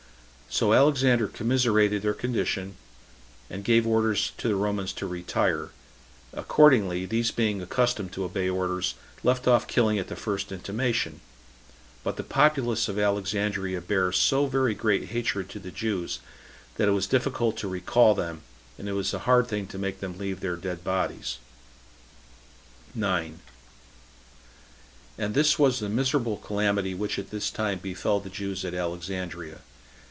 So Alexander commiserated their condition, and gave orders to the Romans to retire; accordingly, these being accustomed to obey orders, left off killing at the first intimation; but the populace of Alexandria bare so very great hatred to the Jews, that it was difficult to recall them, and it was a hard thing to make them leave their dead bodies. 9. And this was the miserable calamity which at this time befell the Jews at Alexandria.